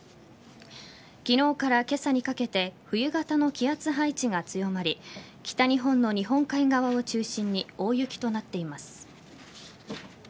昨日から今朝にかけて冬型の気圧配置が強まり北日本の日本海側を中心に大雪となっています。